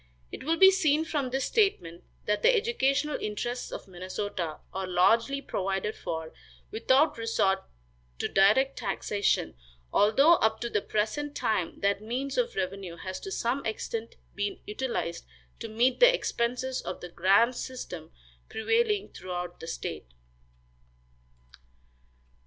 It will be seen from this statement that the educational interests of Minnesota are largely provided for without resort to direct taxation, although up to the present time that means of revenue has to some extent been utilized to meet the expenses of the grand system prevailing throughout the state.